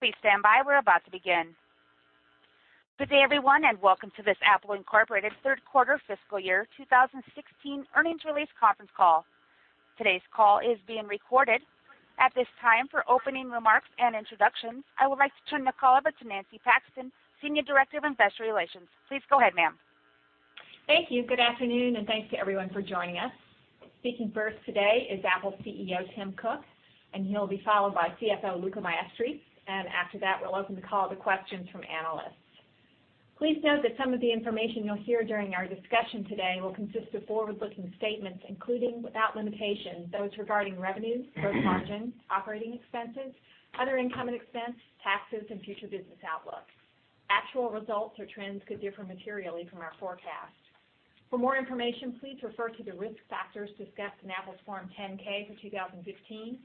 Please stand by. We're about to begin. Good day, everyone, and welcome to this Apple Inc. third quarter fiscal year 2016 earnings release conference call. Today's call is being recorded. At this time, for opening remarks and introductions, I would like to turn the call over to Nancy Paxton, Senior Director of Investor Relations. Please go ahead, ma'am. Thank you. Good afternoon, and thanks to everyone for joining us. Speaking first today is Apple CEO Tim Cook, and he'll be followed by CFO Luca Maestri, and after that, we'll open the call to questions from analysts. Please note that some of the information you'll hear during our discussion today will consist of forward-looking statements, including, without limitation, those regarding revenues, gross margin, operating expenses, other income and expense, taxes, and future business outlook. Actual results or trends could differ materially from our forecast. For more information, please refer to the risk factors discussed in Apple's Form 10-K for 2015,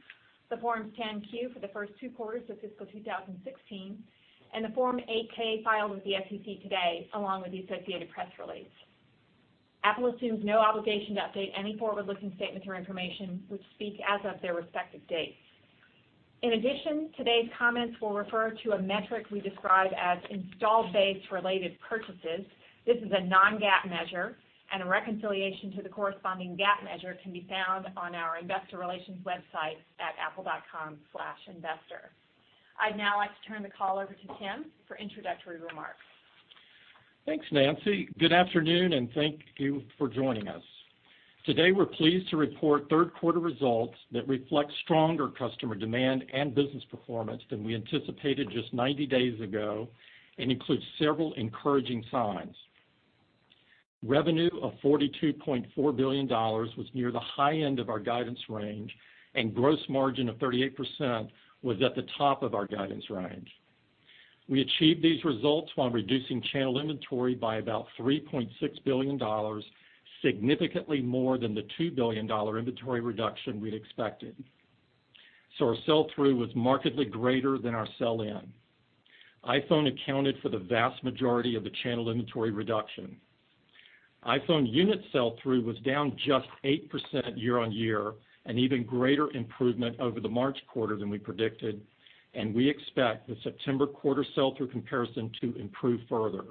the Forms 10-Q for the first two quarters of fiscal 2016, and the Form 8-K filed with the SEC today, along with the associated press release. Apple assumes no obligation to update any forward-looking statements or information, which speak as of their respective dates. In addition, today's comments will refer to a metric we describe as installed-base related purchases. This is a non-GAAP measure, and a reconciliation to the corresponding GAAP measure can be found on our investor relations website at apple.com/investor. I'd now like to turn the call over to Tim for introductory remarks. Thanks, Nancy. Good afternoon, and thank you for joining us. Today, we're pleased to report third quarter results that reflect stronger customer demand and business performance than we anticipated just 90 days ago and includes several encouraging signs. Revenue of $42.4 billion was near the high end of our guidance range, and gross margin of 38% was at the top of our guidance range. We achieved these results while reducing channel inventory by about $3.6 billion, significantly more than the $2 billion inventory reduction we'd expected. Our sell-through was markedly greater than our sell-in. iPhone accounted for the vast majority of the channel inventory reduction. iPhone unit sell-through was down just 8% year-on-year, an even greater improvement over the March quarter than we predicted, and we expect the September quarter sell-through comparison to improve further.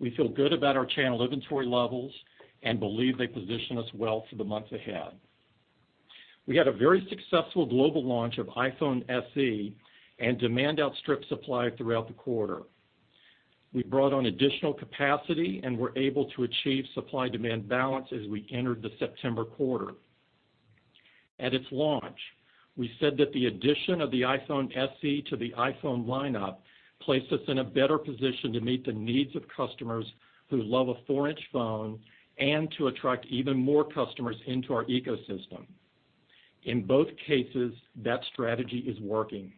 We feel good about our channel inventory levels and believe they position us well for the months ahead. We had a very successful global launch of iPhone SE and demand outstripped supply throughout the quarter. We brought on additional capacity and were able to achieve supply-demand balance as we entered the September quarter. At its launch, we said that the addition of the iPhone SE to the iPhone lineup placed us in a better position to meet the needs of customers who love a four-inch phone and to attract even more customers into our ecosystem. In both cases, that strategy is working.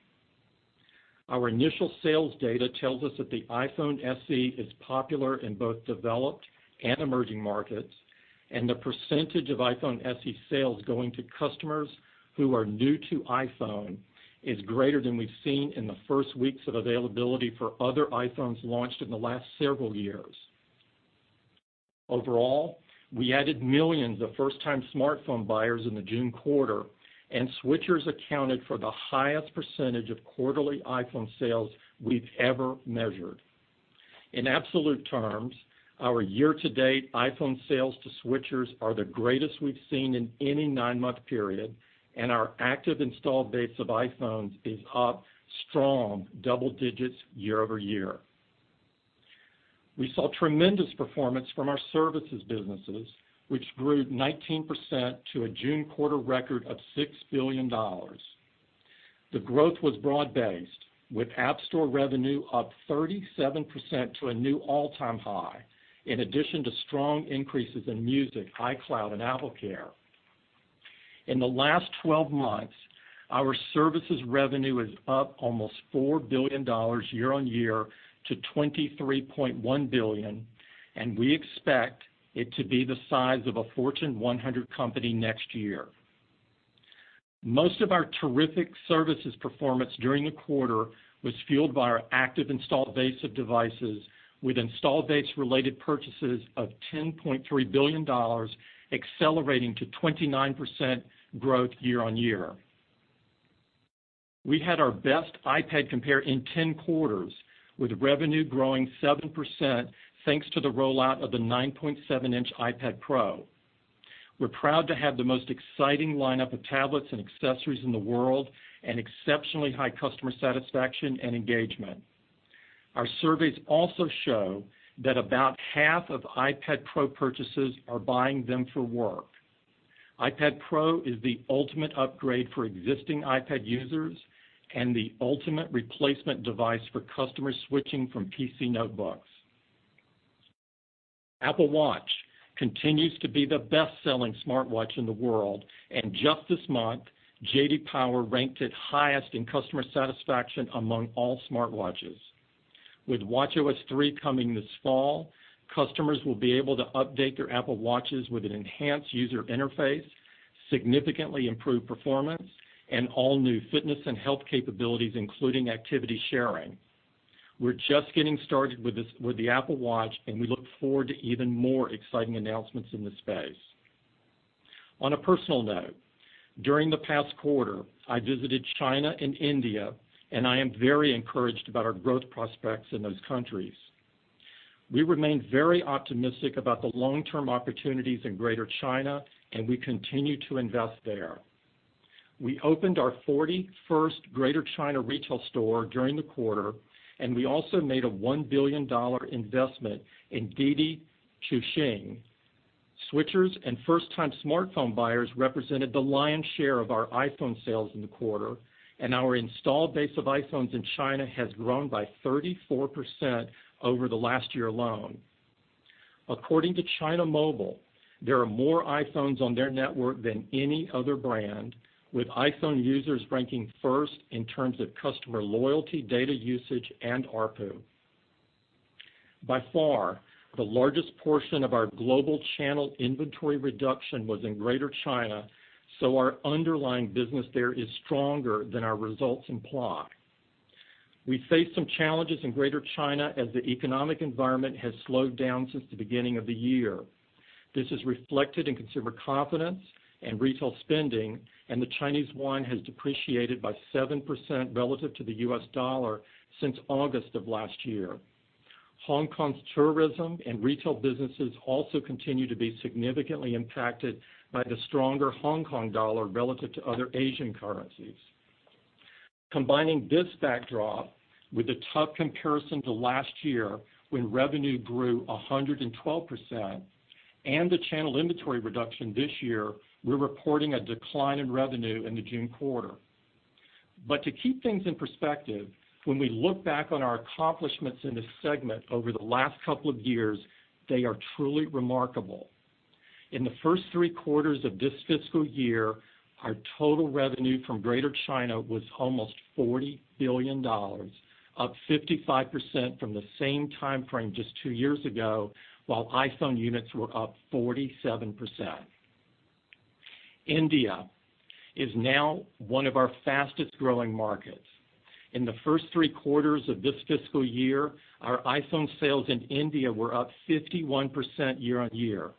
Our initial sales data tells us that the iPhone SE is popular in both developed and emerging markets, and the percentage of iPhone SE sales going to customers who are new to iPhone is greater than we've seen in the first weeks of availability for other iPhones launched in the last several years. Overall, we added millions of first-time smartphone buyers in the June quarter, and switchers accounted for the highest percentage of quarterly iPhone sales we've ever measured. In absolute terms, our year-to-date iPhone sales to switchers are the greatest we've seen in any nine-month period, and our active installed base of iPhones is up strong double digits year-over-year. We saw tremendous performance from our services businesses, which grew 19% to a June quarter record of $6 billion. The growth was broad-based, with App Store revenue up 37% to a new all-time high, in addition to strong increases in Music, iCloud, and AppleCare. In the last 12 months, our services revenue is up almost $4 billion year-on-year to $23.1 billion, and we expect it to be the size of a Fortune 100 company next year. Most of our terrific services performance during the quarter was fueled by our active installed base of devices with installed base-related purchases of $10.3 billion, accelerating to 29% growth year-on-year. We had our best iPad compare in 10 quarters with revenue growing 7% thanks to the rollout of the 9.7-inch iPad Pro. We're proud to have the most exciting lineup of tablets and accessories in the world and exceptionally high customer satisfaction and engagement. Our surveys also show that about half of iPad Pro purchasers are buying them for work. iPad Pro is the ultimate upgrade for existing iPad users and the ultimate replacement device for customers switching from PC notebooks. Apple Watch continues to be the best-selling smartwatch in the world, and just this month, J.D. Power ranked it highest in customer satisfaction among all smartwatches. With watchOS 3 coming this fall, customers will be able to update their Apple Watches with an enhanced user interface, significantly improved performance, and all new fitness and health capabilities, including activity sharing. We're just getting started with the Apple Watch, and we look forward to even more exciting announcements in this space. On a personal note, during the past quarter, I visited China and India, and I am very encouraged about our growth prospects in those countries. We remain very optimistic about the long-term opportunities in Greater China, and we continue to invest there. We opened our 41st Greater China retail store during the quarter, and we also made a $1 billion investment in Didi Chuxing. Switchers and first-time smartphone buyers represented the lion's share of our iPhone sales in the quarter, and our installed base of iPhones in China has grown by 34% over the last year alone. According to China Mobile, there are more iPhones on their network than any other brand, with iPhone users ranking first in terms of customer loyalty, data usage, and ARPU. By far, the largest portion of our global channel inventory reduction was in Greater China, so our underlying business there is stronger than our results imply. We face some challenges in Greater China as the economic environment has slowed down since the beginning of the year. This is reflected in consumer confidence and retail spending, and the Chinese yuan has depreciated by 7% relative to the US dollar since August of last year. Hong Kong's tourism and retail businesses also continue to be significantly impacted by the stronger Hong Kong dollar relative to other Asian currencies. Combining this backdrop with the tough comparison to last year, when revenue grew 112%, and the channel inventory reduction this year, we're reporting a decline in revenue in the June quarter. To keep things in perspective, when we look back on our accomplishments in this segment over the last couple of years, they are truly remarkable. In the first three quarters of this fiscal year, our total revenue from Greater China was almost $40 billion, up 55% from the same timeframe just two years ago, while iPhone units were up 47%. India is now one of our fastest-growing markets. In the first three quarters of this fiscal year, our iPhone sales in India were up 51% year on year.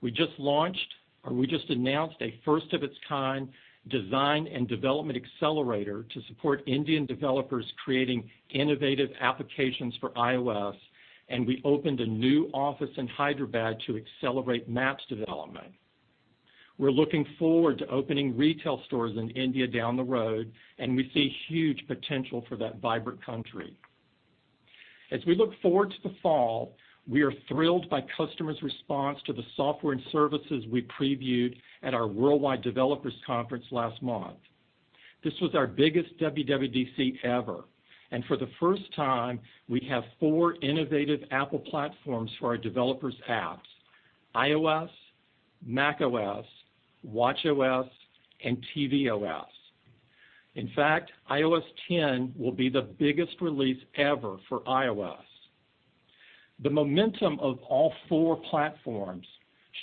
We just announced a first-of-its-kind design and development accelerator to support Indian developers creating innovative applications for iOS, and we opened a new office in Hyderabad to accelerate Maps development. We're looking forward to opening retail stores in India down the road, and we see huge potential for that vibrant country. As we look forward to the fall, we are thrilled by customers' response to the software and services we previewed at our Worldwide Developers Conference last month. This was our biggest WWDC ever, and for the first time, we have four innovative Apple platforms for our developers' apps: iOS, macOS, watchOS, and tvOS. In fact, iOS 10 will be the biggest release ever for iOS. The momentum of all four platforms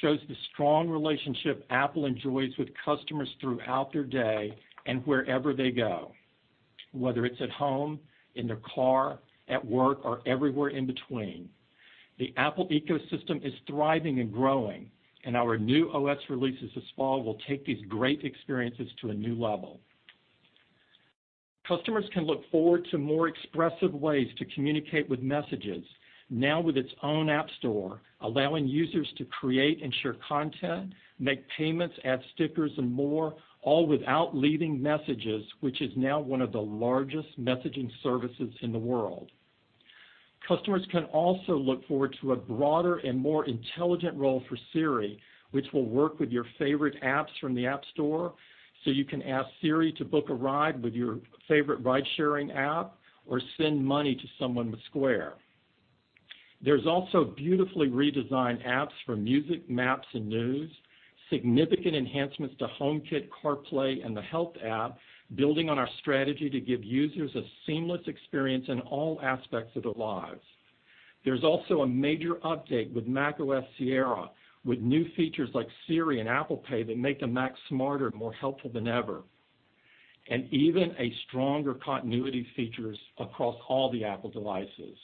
shows the strong relationship Apple enjoys with customers throughout their day and wherever they go, whether it's at home, in their car, at work, or everywhere in between. The Apple ecosystem is thriving and growing, and our new OS releases this fall will take these great experiences to a new level. Customers can look forward to more expressive ways to communicate with Messages, now with its own App Store, allowing users to create and share content, make payments, add stickers, and more, all without leaving Messages, which is now one of the largest messaging services in the world. Customers can also look forward to a broader and more intelligent role for Siri, which will work with your favorite apps from the App Store, so you can ask Siri to book a ride with your favorite ride-sharing app or send money to someone with Square. There's also beautifully redesigned apps for Music, Maps, and News, significant enhancements to HomeKit, CarPlay, and the Health app, building on our strategy to give users a seamless experience in all aspects of their lives. There's also a major update with macOS Sierra, with new features like Siri and Apple Pay that make the Mac smarter and more helpful than ever, and even a stronger continuity features across all the Apple devices.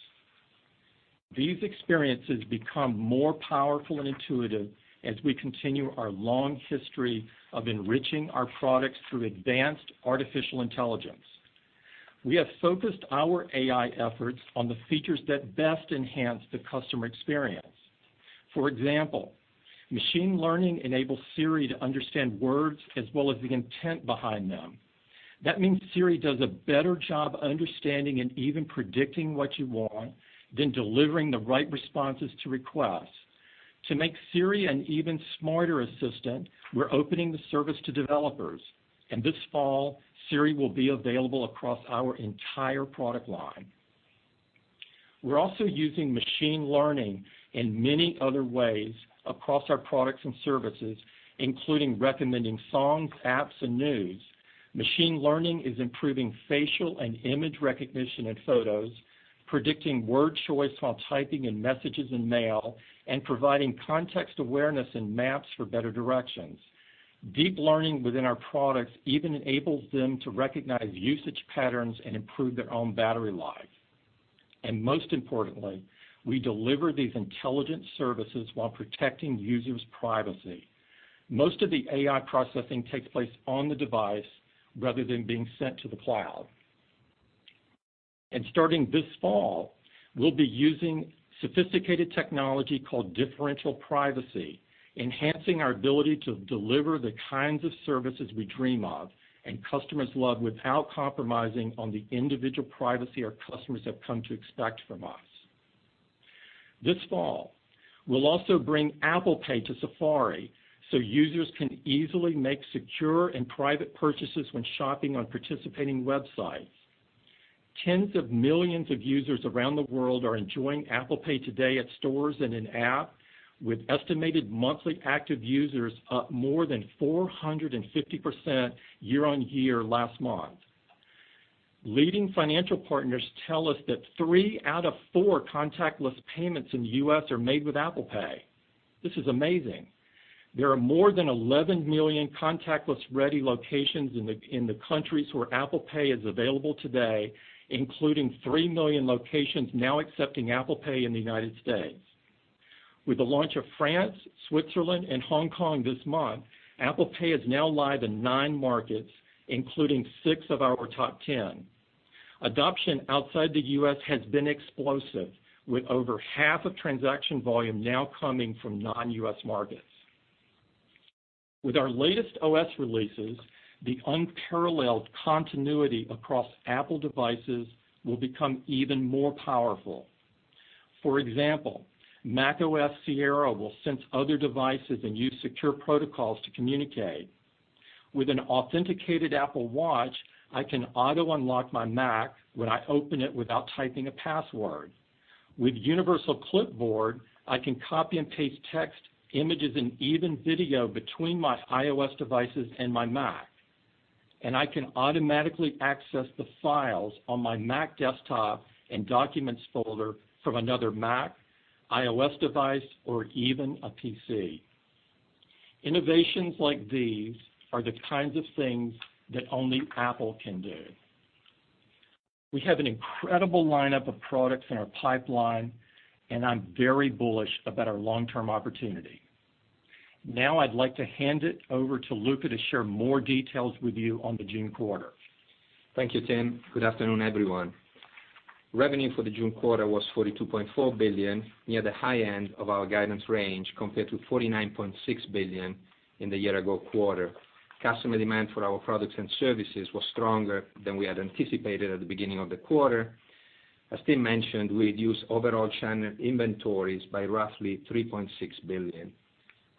These experiences become more powerful and intuitive as we continue our long history of enriching our products through advanced artificial intelligence. We have focused our AI efforts on the features that best enhance the customer experience. For example, machine learning enables Siri to understand words as well as the intent behind them. That means Siri does a better job understanding and even predicting what you want, then delivering the right responses to requests. To make Siri an even smarter assistant, we're opening the service to developers. This fall, Siri will be available across our entire product line. We're also using machine learning in many other ways across our products and services, including recommending songs, apps, and news. Machine learning is improving facial and image recognition in photos, predicting word choice while typing in Messages and Mail, and providing context awareness in Maps for better directions. Deep learning within our products even enables them to recognize usage patterns and improve their own battery life. Most importantly, we deliver these intelligent services while protecting users' privacy. Most of the AI processing takes place on the device rather than being sent to the cloud. Starting this fall, we'll be using sophisticated technology called differential privacy, enhancing our ability to deliver the kinds of services we dream of and customers love without compromising on the individual privacy our customers have come to expect from us. This fall, we'll also bring Apple Pay to Safari so users can easily make secure and private purchases when shopping on participating websites. Tens of millions of users around the world are enjoying Apple Pay today at stores and in-app, with estimated monthly active users up more than 450% year-on-year last month. Leading financial partners tell us that three out of four contactless payments in the U.S. are made with Apple Pay. This is amazing. There are more than 11 million contactless-ready locations in the countries where Apple Pay is available today, including 3 million locations now accepting Apple Pay in the United States. With the launch of France, Switzerland, and Hong Kong this month, Apple Pay is now live in nine markets, including six of our top 10. Adoption outside the U.S. has been explosive, with over half of transaction volume now coming from non-U.S. markets. With our latest OS releases, the unparalleled continuity across Apple devices will become even more powerful. For example, macOS Sierra will sense other devices and use secure protocols to communicate. With an authenticated Apple Watch, I can auto-unlock my Mac when I open it without typing a password. With Universal Clipboard, I can copy and paste text, images, and even video between my iOS devices and my Mac, and I can automatically access the files on my Mac desktop and documents folder from another Mac, iOS device, or even a PC. Innovations like these are the kinds of things that only Apple can do. We have an incredible lineup of products in our pipeline. I'm very bullish about our long-term opportunity. Now I'd like to hand it over to Luca to share more details with you on the June quarter. Thank you, Tim. Good afternoon, everyone. Revenue for the June quarter was $42.4 billion, near the high end of our guidance range, compared to $49.6 billion in the year-ago quarter. Customer demand for our products and services was stronger than we had anticipated at the beginning of the quarter. As Tim mentioned, we reduced overall channel inventories by roughly $3.6 billion.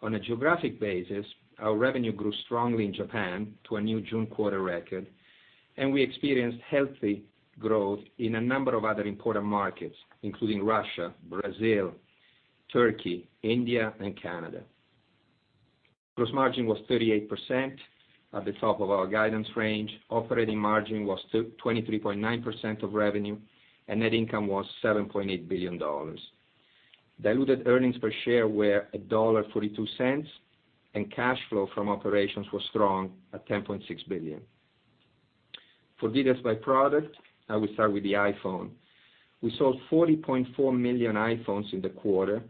On a geographic basis, our revenue grew strongly in Japan to a new June quarter record. We experienced healthy growth in a number of other important markets, including Russia, Brazil, Turkey, India, and Canada. Gross margin was 38%, at the top of our guidance range. Operating margin was 23.9% of revenue. Net income was $7.8 billion. Diluted earnings per share were $1.42. Cash flow from operations was strong at $10.6 billion. For details by product, I will start with the iPhone. We sold 40.4 million iPhones in the quarter.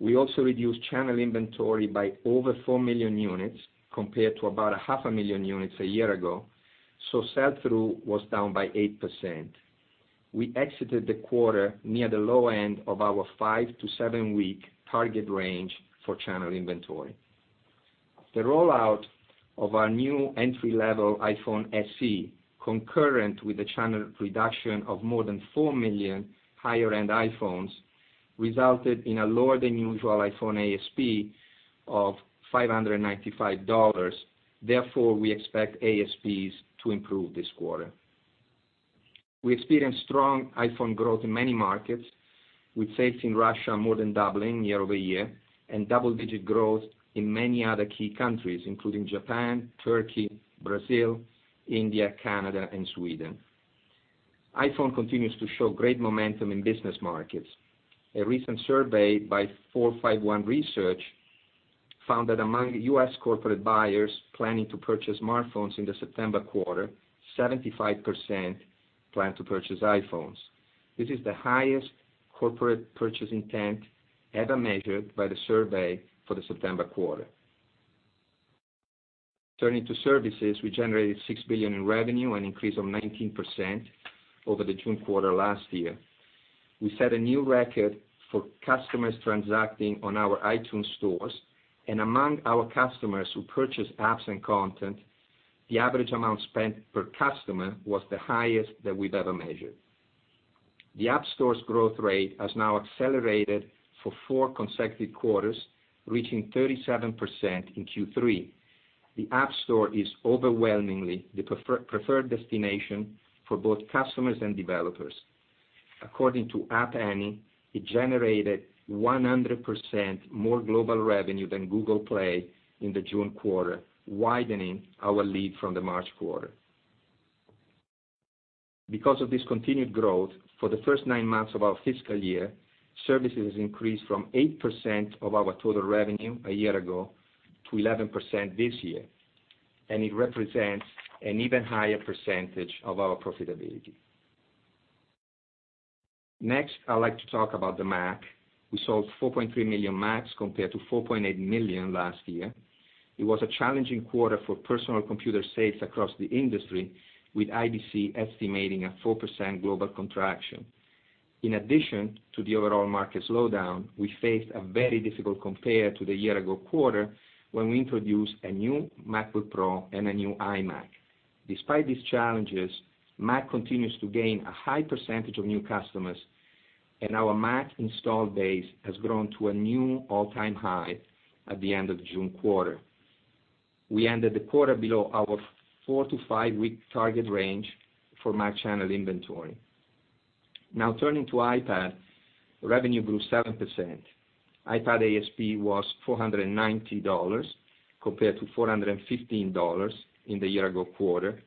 We also reduced channel inventory by over four million units compared to about a half a million units a year-ago. Sell-through was down by 8%. We exited the quarter near the low end of our five- to seven-week target range for channel inventory. The rollout of our new entry-level iPhone SE, concurrent with the channel reduction of more than four million higher-end iPhones, resulted in a lower-than-usual iPhone ASP of $595. Therefore, we expect ASPs to improve this quarter. We experienced strong iPhone growth in many markets, with sales in Russia more than doubling year-over-year and double-digit growth in many other key countries, including Japan, Turkey, Brazil, India, Canada, and Sweden. iPhone continues to show great momentum in business markets. A recent survey by 451 Research found that among U.S. corporate buyers planning to purchase smartphones in the September quarter, 75% plan to purchase iPhones. This is the highest corporate purchase intent ever measured by the survey for the September quarter. Turning to services, we generated $6 billion in revenue, an increase of 19% over the June quarter last year. We set a new record for customers transacting on our iTunes stores. Among our customers who purchased apps and content, the average amount spent per customer was the highest that we've ever measured. The App Store's growth rate has now accelerated for four consecutive quarters, reaching 37% in Q3. The App Store is overwhelmingly the preferred destination for both customers and developers. According to App Annie, it generated 100% more global revenue than Google Play in the June quarter, widening our lead from the March quarter. Because of this continued growth, for the first nine months of our fiscal year, services increased from 8% of our total revenue a year ago to 11% this year. It represents an even higher percentage of our profitability. Next, I'd like to talk about the Mac. We sold 4.3 million Macs compared to 4.8 million last year. It was a challenging quarter for personal computer sales across the industry, with IDC estimating a 4% global contraction. In addition to the overall market slowdown, we faced a very difficult compare to the year-ago quarter when we introduced a new MacBook Pro and a new iMac. Despite these challenges, Mac continues to gain a high percentage of new customers, and our Mac install base has grown to a new all-time high at the end of the June quarter. We ended the quarter below our 4- to 5-week target range for Mac channel inventory. Now turning to iPad, revenue grew 7%. iPad ASP was $490, compared to $415 in the year-ago quarter,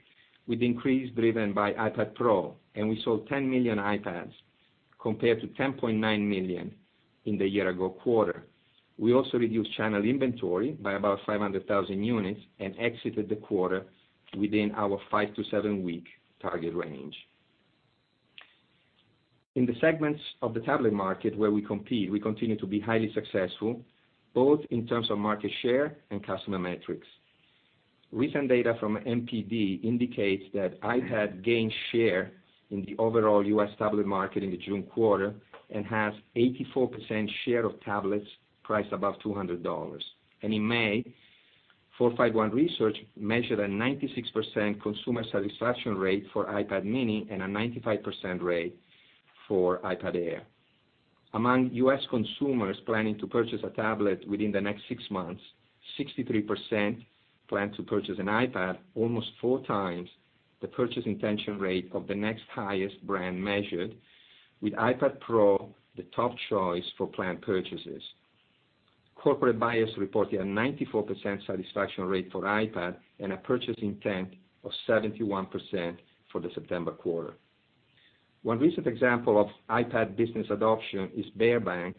with increase driven by iPad Pro. We sold 10 million iPads, compared to 10.9 million in the year-ago quarter. We also reduced channel inventory by about 500,000 units and exited the quarter within our 5- to 7-week target range. In the segments of the tablet market where we compete, we continue to be highly successful, both in terms of market share and customer metrics. Recent data from NPD indicates that iPad gained share in the overall U.S. tablet market in the June quarter and has 84% share of tablets priced above $200. In May, 451 Research measured a 96% consumer satisfaction rate for iPad mini and a 95% rate for iPad Air. Among U.S. consumers planning to purchase a tablet within the next six months, 63% plan to purchase an iPad, almost four times the purchase intention rate of the next highest brand measured, with iPad Pro the top choice for planned purchases. Corporate buyers reported a 94% satisfaction rate for iPad and a purchase intent of 71% for the September quarter. One recent example of iPad business adoption is VTB Bank,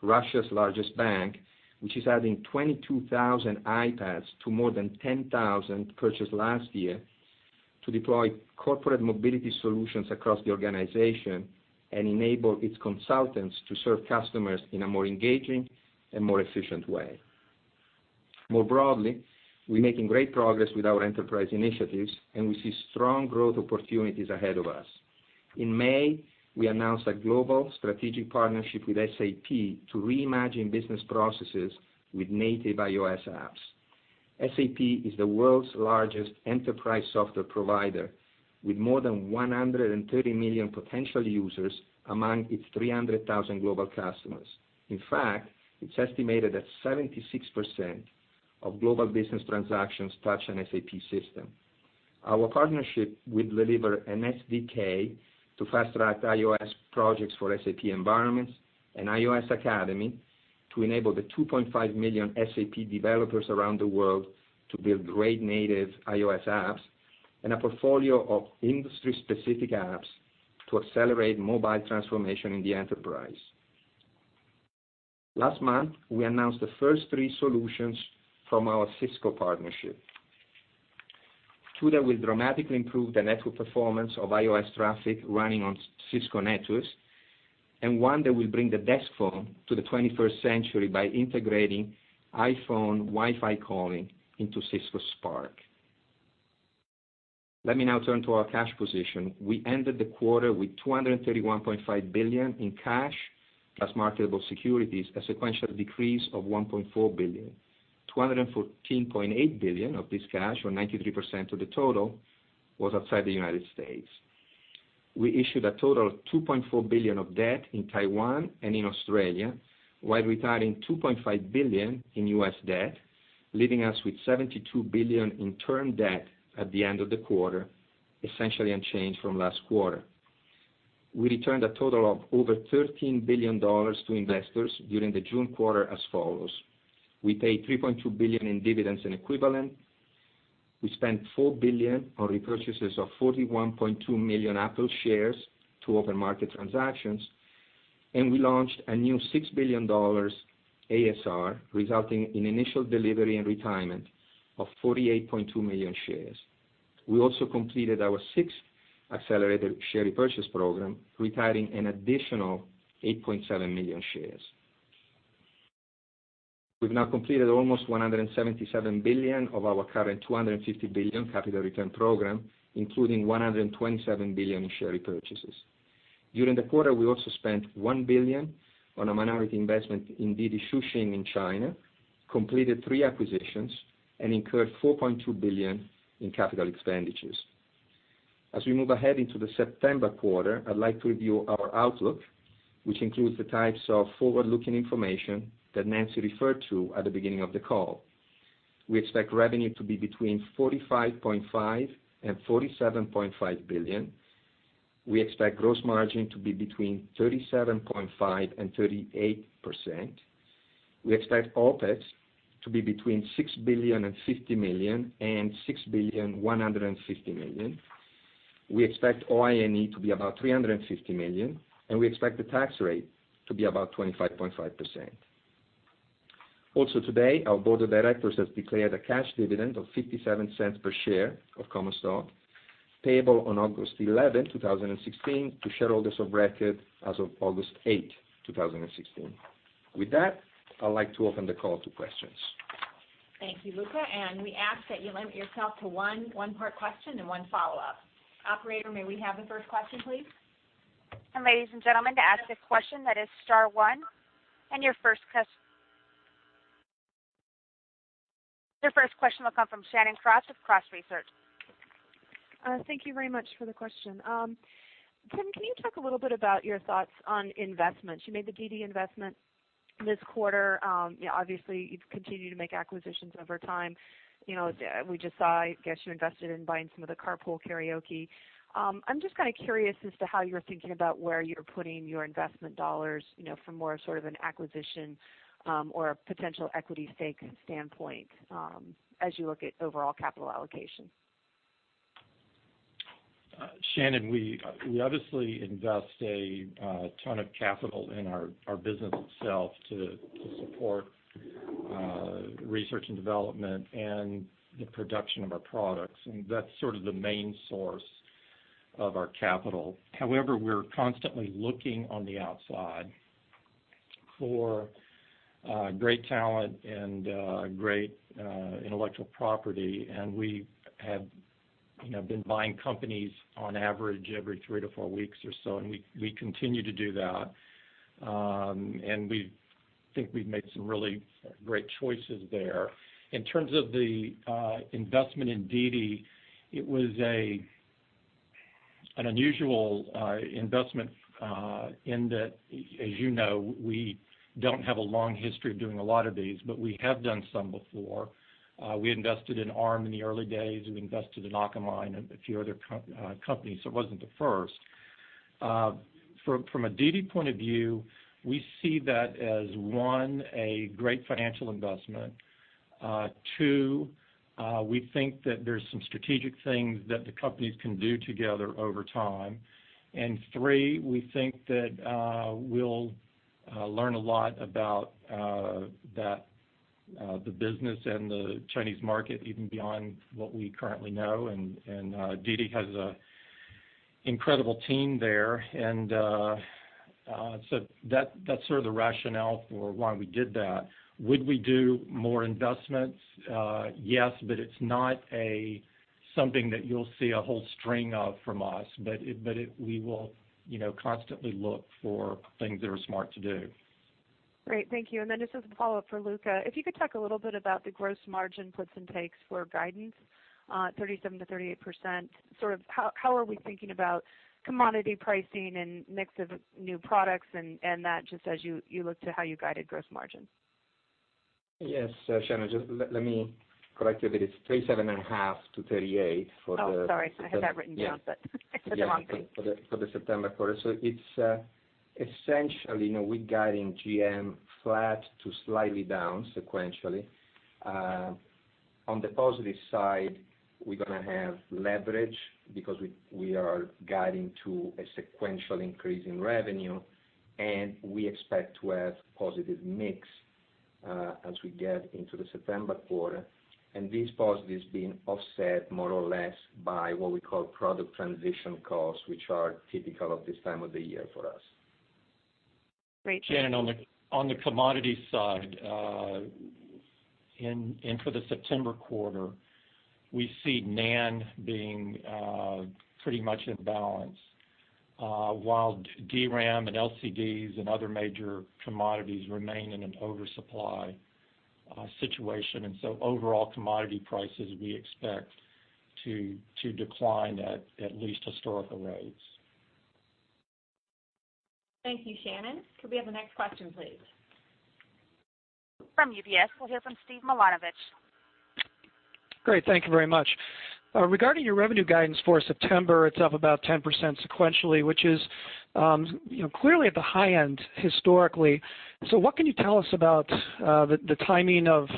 Russia's largest bank, which is adding 22,000 iPads to more than 10,000 purchased last year to deploy corporate mobility solutions across the organization and enable its consultants to serve customers in a more engaging and more efficient way. More broadly, we're making great progress with our enterprise initiatives. We see strong growth opportunities ahead of us. In May, we announced a global strategic partnership with SAP to reimagine business processes with native iOS apps. SAP is the world's largest enterprise software provider, with more than 130 million potential users among its 300,000 global customers. In fact, it's estimated that 76% of global business transactions touch an SAP system. Our partnership will deliver an SDK to fast-track iOS projects for SAP environments, an iOS Academy to enable the 2.5 million SAP developers around the world to build great native iOS apps, and a portfolio of industry-specific apps to accelerate mobile transformation in the enterprise. Last month, we announced the first three solutions from our Cisco partnership, two that will dramatically improve the network performance of iOS traffic running on Cisco networks and one that will bring the desk phone to the 21st century by integrating iPhone Wi-Fi calling into Cisco Spark. Let me now turn to our cash position. We ended the quarter with $231.5 billion in cash plus marketable securities, a sequential decrease of $1.4 billion. $214.8 billion of this cash, or 93% of the total, was outside the U.S. We issued a total of $2.4 billion of debt in Taiwan and in Australia, while retiring $2.5 billion in U.S. debt, leaving us with $72 billion in term debt at the end of the quarter, essentially unchanged from last quarter. We returned a total of over $13 billion to investors during the June quarter as follows. We paid $3.2 billion in dividends and equivalent. We spent $4 billion on repurchases of 41.2 million Apple shares through open market transactions. We launched a new $6 billion ASR, resulting in initial delivery and retirement of 48.2 million shares. We also completed our sixth accelerated share repurchase program, retiring an additional 8.7 million shares. We've now completed almost $177 billion of our current $250 billion capital return program, including $127 billion in share repurchases. During the quarter, we also spent $1 billion on a minority investment in Didi Chuxing in China, completed three acquisitions, and incurred $4.2 billion in capital expenditures. As we move ahead into the September quarter, I'd like to review our outlook, which includes the types of forward-looking information that Nancy referred to at the beginning of the call. We expect revenue to be between $45.5 billion and $47.5 billion. We expect gross margin to be between 37.5% and 38%. We expect OPEX to be between $6.05 billion and $6.15 billion. We expect OI&E to be about $350 million. We expect the tax rate to be about 25.5%. Also today, our board of directors has declared a cash dividend of $0.57 per share of common stock, payable on August 11, 2016, to shareholders of record as of August 8, 2016. With that, I'd like to open the call to questions. Thank you, Luca. We ask that you limit yourself to one part question and one follow-up. Operator, may we have the first question, please? ladies and gentlemen, to ask a question that is star one. Your first question will come from Shannon Cross of Cross Research. Thank you very much for the question. Tim, can you talk a little bit about your thoughts on investments? You made the DiDi investment this quarter. Obviously, you've continued to make acquisitions over time. We just saw, I guess, you invested in buying some of the Carpool Karaoke. I'm just kind of curious as to how you're thinking about where you're putting your investment dollars, from more sort of an acquisition or a potential equity stake standpoint as you look at overall capital allocation. Shannon, we obviously invest a ton of capital in our business itself to support research and development and the production of our products, and that's sort of the main source of our capital. However, we're constantly looking on the outside for great talent and great intellectual property, and we have been buying companies on average every three to four weeks or so, and we continue to do that. We think we've made some really great choices there. In terms of the investment in DiDi, it was an unusual investment in that, as you know, we don't have a long history of doing a lot of these, but we have done some before. We invested in Arm in the early days. We invested in Akamai and a few other companies, so it wasn't the first. From a DiDi point of view, we see that as, one, a great financial investment, two, we think that there's some strategic things that the companies can do together over time, and three, we think that we'll learn a lot about the business and the Chinese market, even beyond what we currently know, and DiDi has an incredible team there. So that's sort of the rationale for why we did that. Would we do more investments? Yes, but it's not something that you'll see a whole string of from us, but we will constantly look for things that are smart to do. Great. Thank you. Just as a follow-up for Luca, if you could talk a little bit about the gross margin puts and takes for guidance, 37%-38%. Sort of how are we thinking about commodity pricing and mix of new products and that just as you look to how you guided gross margin? Yes. Shannon, just let me correct you that it's 37.5-38 for the- Oh, sorry. I had that written down, but it's been a long day. For the September quarter. It's essentially, we're guiding GM flat to slightly down sequentially. On the positive side, we're going to have leverage because we are guiding to a sequential increase in revenue, and we expect to have positive mix as we get into the September quarter. These positives being offset more or less by what we call product transition costs, which are typical of this time of the year for us. Great. Shannon, on the commodity side, and for the September quarter, we see NAND being pretty much in balance, while DRAM and LCDs and other major commodities remain in an oversupply situation. Overall commodity prices, we expect to decline at least historical rates. Thank you, Shannon. Could we have the next question, please? From UBS, we'll hear from Steven Milunovich. Great. Thank you very much. Regarding your revenue guidance for September, it's up about 10% sequentially, which is clearly at the high end historically. What can you tell us about the timing of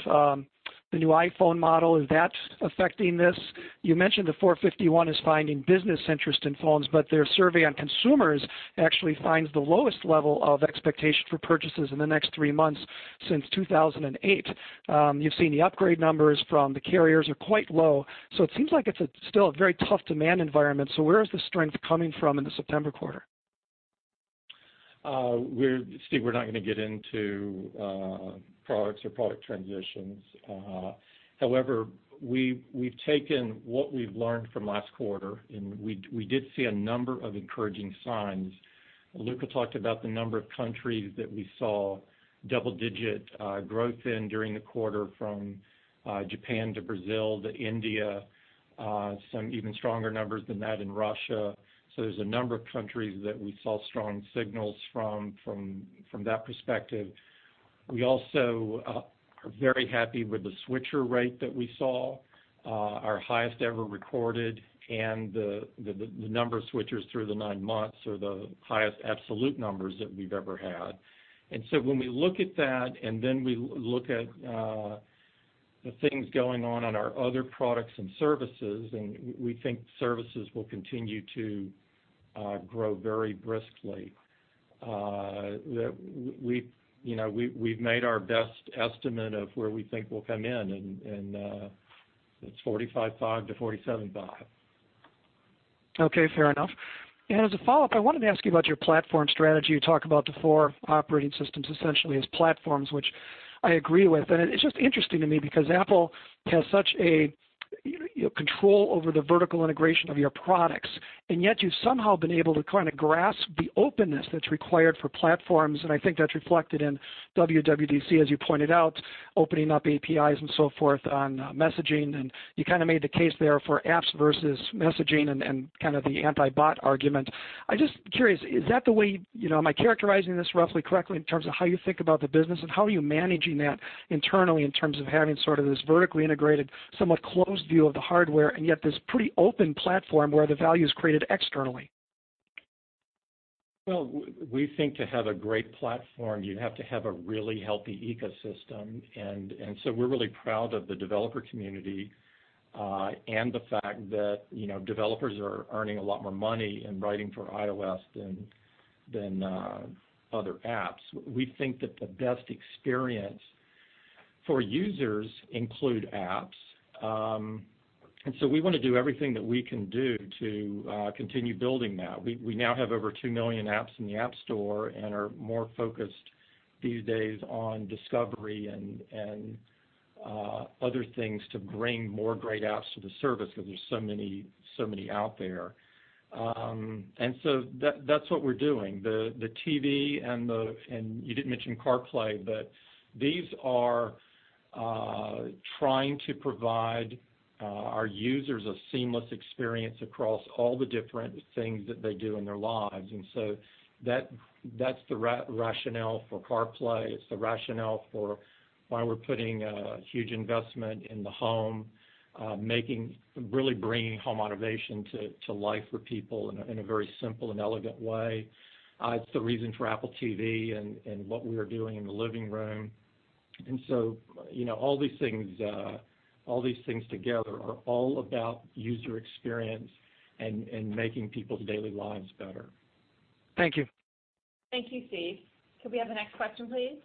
the new iPhone model? Is that affecting this? You mentioned the 451 is finding business interest in phones, but their survey on consumers actually finds the lowest level of expectation for purchases in the next three months since 2008. You've seen the upgrade numbers from the carriers are quite low, it seems like it's still a very tough demand environment. Where is the strength coming from in the September quarter? Steve, we're not going to get into products or product transitions. However, we've taken what we've learned from last quarter. We did see a number of encouraging signs. Luca talked about the number of countries that we saw double-digit growth in during the quarter, from Japan to Brazil to India, some even stronger numbers than that in Russia. There's a number of countries that we saw strong signals from that perspective. We also are very happy with the switcher rate that we saw, our highest ever recorded, and the number of switchers through the nine months are the highest absolute numbers that we've ever had. When we look at that, then we look at the things going on in our other products and services. We think services will continue to grow very briskly. We've made our best estimate of where we think we'll come in. It's 45.5-47.5. Okay, fair enough. As a follow-up, I wanted to ask you about your platform strategy. You talk about the four operating systems essentially as platforms, which I agree with. It's just interesting to me because Apple has such a control over the vertical integration of your products, and yet you've somehow been able to grasp the openness that's required for platforms, and I think that's reflected in WWDC, as you pointed out, opening up APIs and so forth on messaging. You made the case there for apps versus messaging and the anti-bot argument. I'm just curious, am I characterizing this roughly correctly in terms of how you think about the business and how are you managing that internally in terms of having sort of this vertically integrated, somewhat closed view of the hardware, and yet this pretty open platform where the value is created externally? Well, we think to have a great platform, you have to have a really healthy ecosystem. We're really proud of the developer community, and the fact that developers are earning a lot more money in writing for iOS than other apps. We think that the best experience for users include apps. We want to do everything that we can do to continue building that. We now have over two million apps in the App Store and are more focused these days on discovery and other things to bring more great apps to the service because there's so many out there. That's what we're doing. The TV and you didn't mention CarPlay, but these are trying to provide our users a seamless experience across all the different things that they do in their lives. That's the rationale for CarPlay. It's the rationale for why we're putting a huge investment in the home, really bringing home automation to life for people in a very simple and elegant way. It's the reason for Apple TV and what we are doing in the living room. All these things together are all about user experience and making people's daily lives better. Thank you. Thank you, Steve. Could we have the next question, please?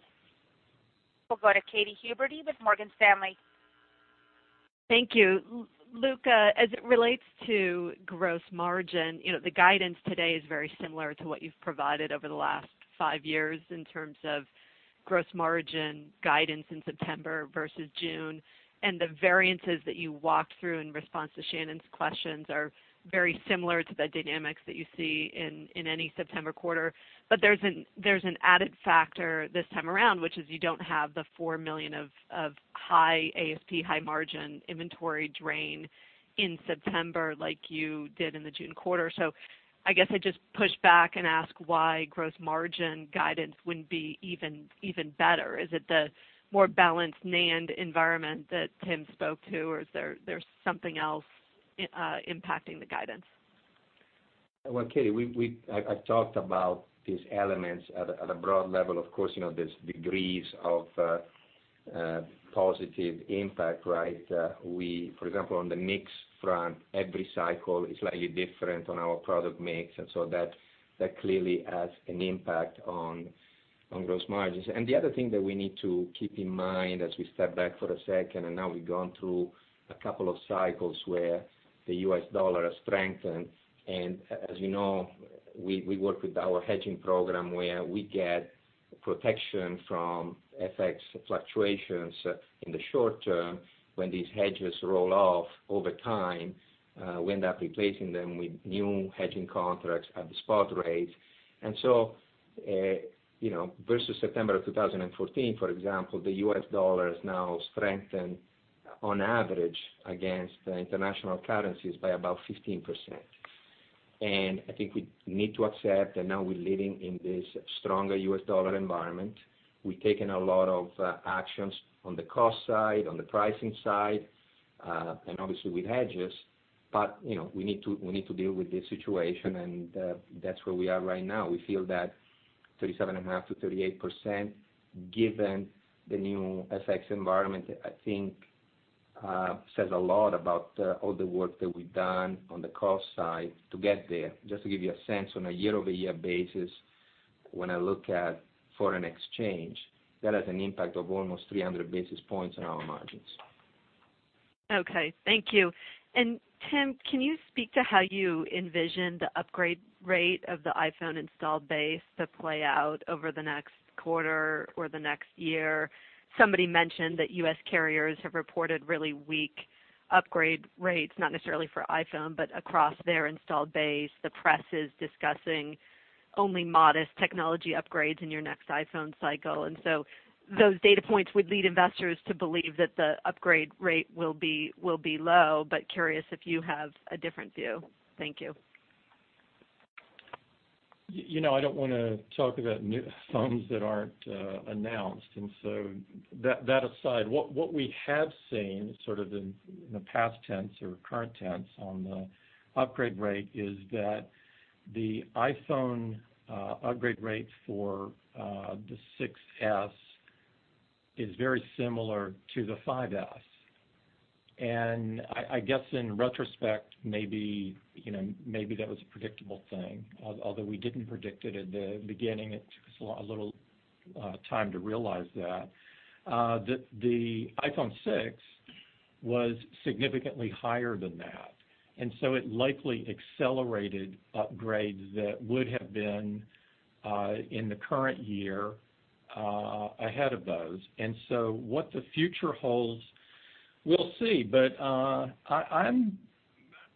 We'll go to Katy Huberty with Morgan Stanley. Thank you. Luca, as it relates to gross margin, the guidance today is very similar to what you've provided over the last 5 years in terms of gross margin guidance in September versus June, and the variances that you walked through in response to Shannon's questions are very similar to the dynamics that you see in any September quarter. There's an added factor this time around, which is you don't have the 4 million of high ASP, high margin inventory drain in September like you did in the June quarter. I guess I'd just push back and ask why gross margin guidance wouldn't be even better. Is it the more balanced NAND environment that Tim spoke to, or is there something else impacting the guidance? Well, Katy, I've talked about these elements at a broad level. Of course, there's degrees of positive impact, right? For example, on the mix front, every cycle is slightly different on our product mix. That clearly has an impact on gross margins. The other thing that we need to keep in mind as we step back for a second, and now we've gone through a couple of cycles where the US dollar has strengthened. As you know, we work with our hedging program where we get protection from FX fluctuations in the short term. When these hedges roll off over time, we end up replacing them with new hedging contracts at the spot rate. Versus September of 2014, for example, the US dollar has now strengthened on average against the international currencies by about 15%. I think we need to accept that now we're living in this stronger US dollar environment. We've taken a lot of actions on the cost side, on the pricing side, and obviously with hedges. We need to deal with this situation, and that's where we are right now. We feel that 37.5%-38%, given the new FX environment, I think says a lot about all the work that we've done on the cost side to get there. Just to give you a sense on a year-over-year basis, when I look at foreign exchange, that has an impact of almost 300 basis points on our margins. Okay. Thank you. Tim, can you speak to how you envision the upgrade rate of the iPhone installed base to play out over the next quarter or the next year? Somebody mentioned that U.S. carriers have reported really weak upgrade rates, not necessarily for iPhone, but across their installed base. The press is discussing only modest technology upgrades in your next iPhone cycle. Those data points would lead investors to believe that the upgrade rate will be low. Curious if you have a different view. Thank you. That aside, what we have seen sort of in the past tense or current tense on the upgrade rate is that the iPhone upgrade rate for the iPhone 6s is very similar to the iPhone 5s. I guess in retrospect, maybe that was a predictable thing, although we didn't predict it at the beginning. It took us a little time to realize that. The iPhone 6 was significantly higher than that, it likely accelerated upgrades that would have been in the current year ahead of those. What the future holds, we'll see.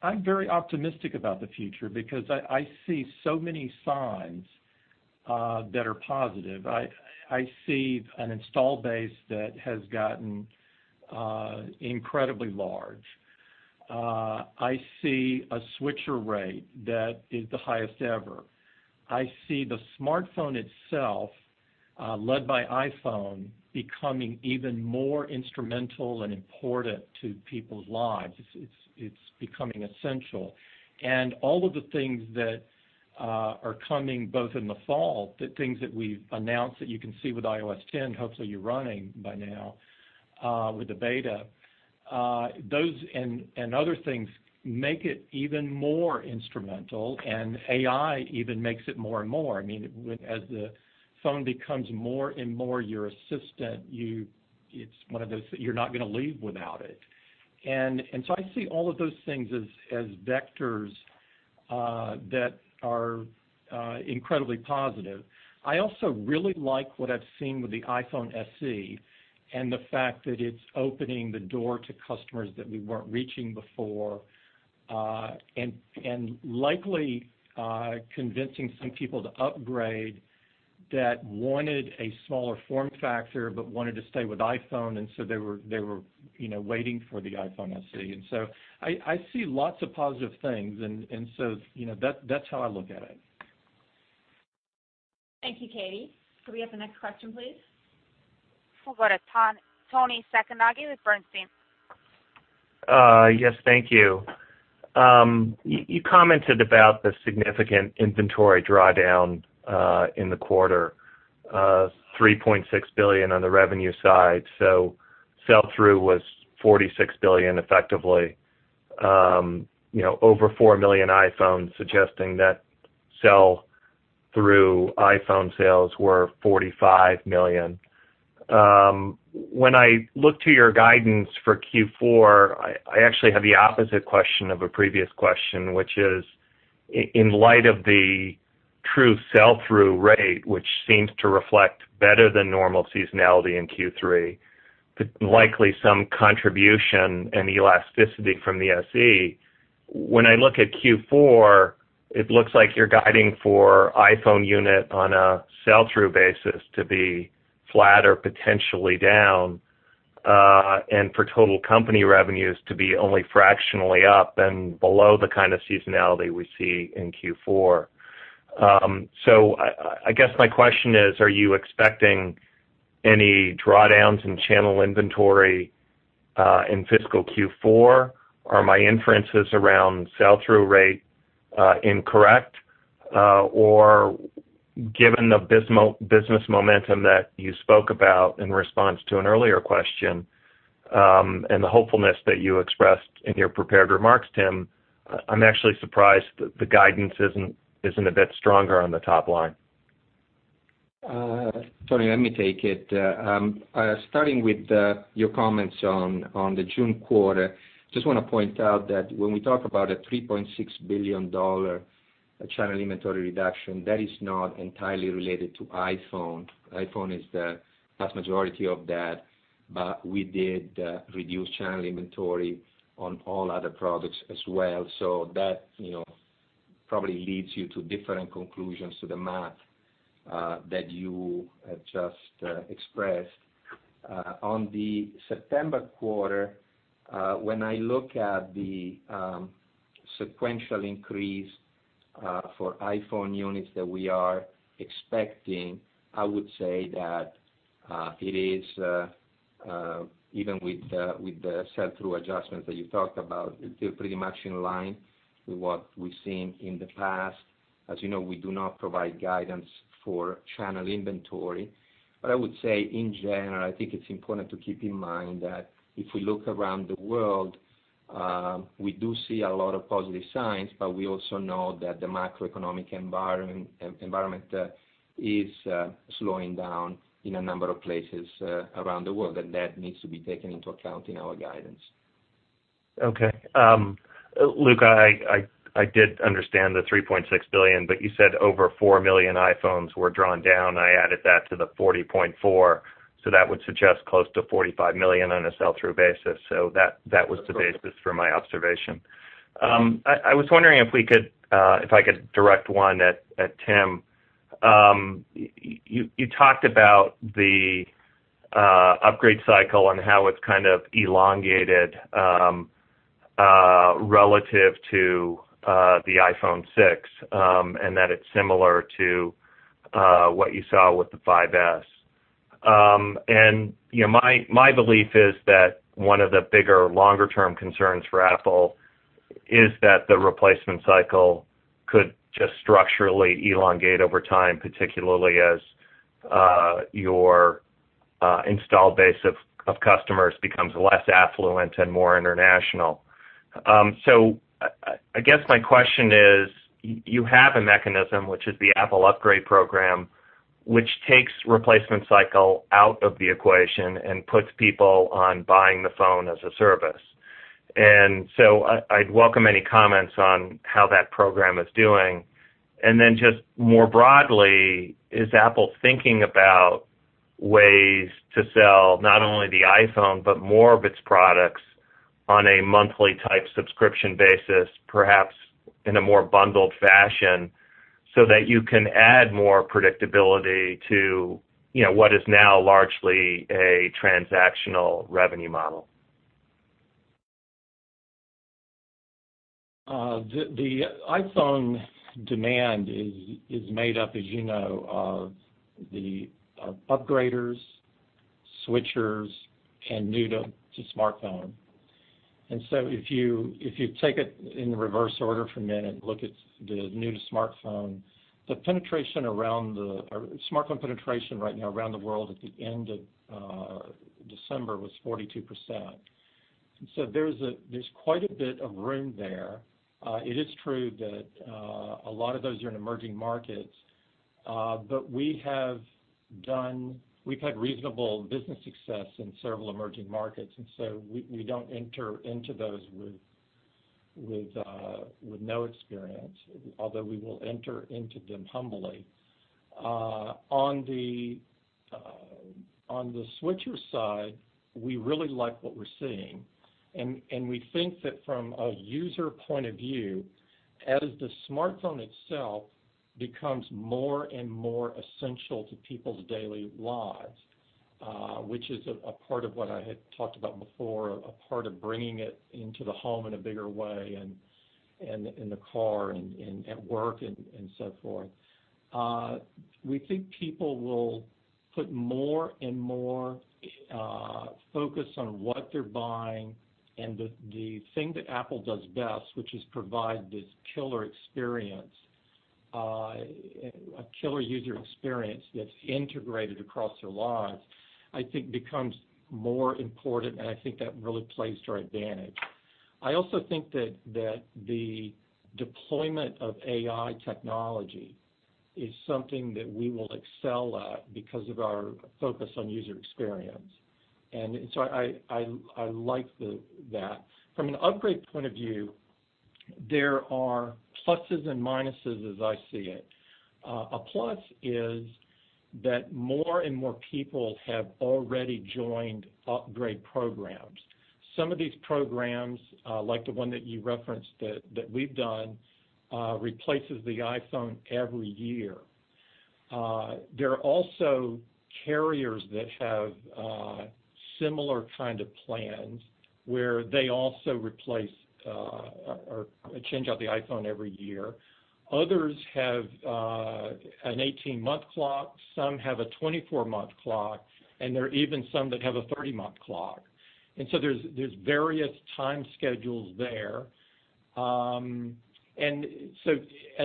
I'm very optimistic about the future because I see so many signs that are positive. I see an install base that has gotten incredibly large. I see a switcher rate that is the highest ever. I see the smartphone itself, led by iPhone, becoming even more instrumental and important to people's lives. It's becoming essential. All of the things that are coming both in the fall, the things that we've announced that you can see with iOS 10, hopefully you're running by now with the beta, those and other things make it even more instrumental, AI even makes it more and more. As the phone becomes more and more your assistant, it's one of those that you're not going to leave without it. I see all of those things as vectors that are incredibly positive. I also really like what I've seen with the iPhone SE and the fact that it's opening the door to customers that we weren't reaching before, likely convincing some people to upgrade that wanted a smaller form factor but wanted to stay with iPhone, they were waiting for the iPhone SE. I see lots of positive things, that's how I look at it. Thank you, Katy. Could we have the next question, please? We'll go to Toni Sacconaghi with Bernstein. Yes, thank you. You commented about the significant inventory drawdown in the quarter, $3.6 billion on the revenue side. Sell-through was $46 billion effectively, over 4 million iPhones suggesting that sell-through iPhone sales were $45 million. When I look to your guidance for Q4, I actually have the opposite question of a previous question, which is, in light of the true sell-through rate, which seems to reflect better than normal seasonality in Q3, likely some contribution and elasticity from the SE. When I look at Q4, it looks like you're guiding for iPhone unit on a sell-through basis to be flat or potentially down, and for total company revenues to be only fractionally up and below the kind of seasonality we see in Q4. I guess my question is, are you expecting any drawdowns in channel inventory in fiscal Q4? Are my inferences around sell-through rate incorrect? Given the business momentum that you spoke about in response to an earlier question, and the hopefulness that you expressed in your prepared remarks, Tim, I'm actually surprised the guidance isn't a bit stronger on the top line. Toni, let me take it. Starting with your comments on the June quarter, just want to point out that when we talk about a $3.6 billion channel inventory reduction, that is not entirely related to iPhone. iPhone is the vast majority of that, but we did reduce channel inventory on all other products as well. That probably leads you to different conclusions to the math that you have just expressed. On the September quarter, when I look at the sequential increase for iPhone units that we are expecting, I would say that it is, even with the sell-through adjustments that you talked about, pretty much in line with what we've seen in the past. As you know, we do not provide guidance for channel inventory. I would say in general, I think it's important to keep in mind that if we look around the world, we do see a lot of positive signs, but we also know that the macroeconomic environment is slowing down in a number of places around the world, and that needs to be taken into account in our guidance. Okay. Luca, I did understand the 3.6 billion, but you said over 4 million iPhones were drawn down. I added that to the 40.4, so that would suggest close to 45 million on a sell-through basis. That was the basis for my observation. I was wondering if I could direct one at Tim. You talked about the upgrade cycle and how it's kind of elongated relative to the iPhone 6, and that it's similar to what you saw with the iPhone 5s. My belief is that one of the bigger, longer-term concerns for Apple is that the replacement cycle could just structurally elongate over time, particularly as your install base of customers becomes less affluent and more international. I guess my question is, you have a mechanism, which is the iPhone Upgrade Program, which takes replacement cycle out of the equation and puts people on buying the phone as a service. I'd welcome any comments on how that program is doing. Just more broadly, is Apple thinking about ways to sell not only the iPhone, but more of its products on a monthly type subscription basis, perhaps in a more bundled fashion so that you can add more predictability to what is now largely a transactional revenue model? The iPhone demand is made up, as you know, of the upgraders, switchers, and new to smartphone. If you take it in reverse order for a minute and look at the new to smartphone, the smartphone penetration right now around the world at the end of December was 42%. There's quite a bit of room there. It is true that a lot of those are in emerging markets, but we've had reasonable business success in several emerging markets, we don't enter into those with no experience, although we will enter into them humbly. On the switcher side, we really like what we're seeing. We think that from a user point of view, as the smartphone itself becomes more and more essential to people's daily lives, which is a part of what I had talked about before, a part of bringing it into the home in a bigger way and in the car and at work and so forth, we think people will put more and more focus on what they're buying and the thing that Apple does best, which is provide this killer user experience that's integrated across their lives, I think becomes more important. I think that really plays to our advantage. I also think that the deployment of AI technology is something that we will excel at because of our focus on user experience. I like that. From an upgrade point of view, there are pluses and minuses as I see it. A plus is that more and more people have already joined upgrade programs. Some of these programs, like the one that you referenced that we've done, replaces the iPhone every year. There are also carriers that have similar kind of plans where they also change out the iPhone every year. Others have an 18-month clock, some have a 24-month clock, and there are even some that have a 30-month clock. There's various time schedules there. As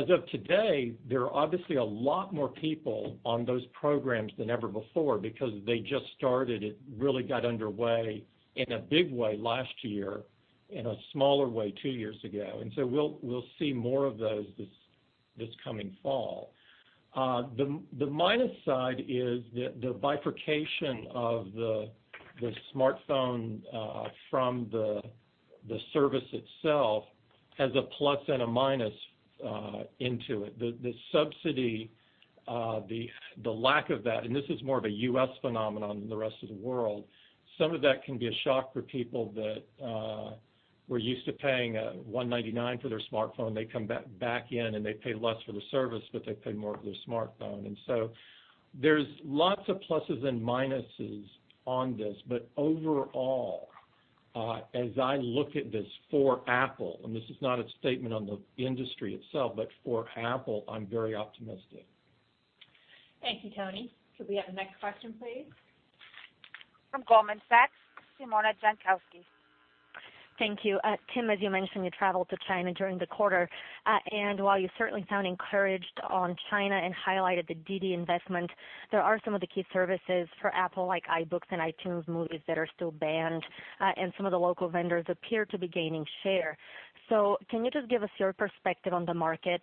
of today, there are obviously a lot more people on those programs than ever before because they just started. It really got underway in a big way last year, in a smaller way two years ago. We'll see more of those this coming fall. The minus side is the bifurcation of the smartphone from the service itself has a plus and a minus into it. The subsidy, the lack of that, this is more of a U.S. phenomenon than the rest of the world, some of that can be a shock for people that were used to paying $199 for their smartphone. They come back in and they pay less for the service, but they pay more for their smartphone. There's lots of pluses and minuses on this, but overall, as I look at this for Apple, this is not a statement on the industry itself, but for Apple, I'm very optimistic. Thank you, Toni. Could we have the next question, please? From Goldman Sachs, Simona Jankowski. Thank you. Tim, as you mentioned, you traveled to China during the quarter. While you certainly sound encouraged on China and highlighted the DiDi investment, there are some of the key services for Apple, like iBooks and iTunes movies that are still banned, and some of the local vendors appear to be gaining share. Can you just give us your perspective on the market,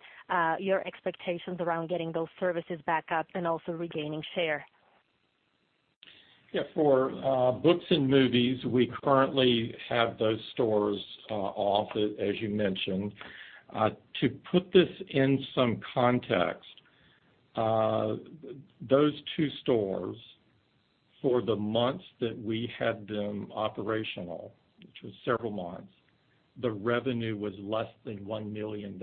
your expectations around getting those services back up and also regaining share? For books and movies, we currently have those stores off, as you mentioned. To put this in some context, those two stores, for the months that we had them operational, which was several months, the revenue was less than $1 million.